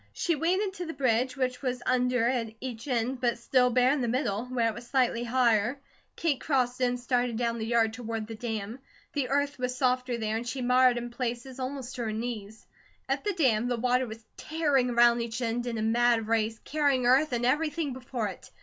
She waded to the bridge, which was under at each end but still bare in the middle, where it was slightly higher. Kate crossed it and started down the yard toward the dam. The earth was softer there, and she mired in places almost to her knees. At the dam, the water was tearing around each end in a mad race, carrying earth and everything before it.